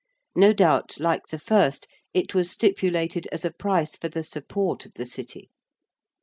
No doubt, like the first, it was stipulated as a price for the support of the City.